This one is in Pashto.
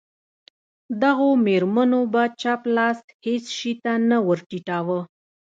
دغو مېرمنو به چپ لاس هېڅ شي ته نه ور ټیټاوه.